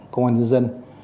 công an nhân dân